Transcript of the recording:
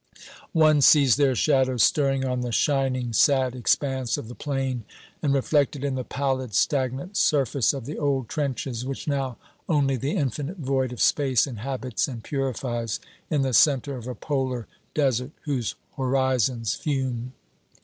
One sees their shadows stirring on the shining sad expanse of the plain, and reflected in the pallid stagnant surface of the old trenches, which now only the infinite void of space inhabits and purifies, in the center of a polar desert whose horizons fume.